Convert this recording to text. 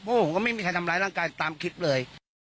เพราะผมก็ไม่มีใครทำร้ายร่างกายตามคลิปเลย